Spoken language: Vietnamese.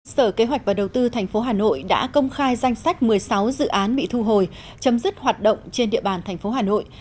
sở kế hoạch và đầu tư tp hà nội đã công khai danh sách một mươi sáu dự án bị thu hồi chấm dứt hoạt động trên địa bàn thành phố hà nội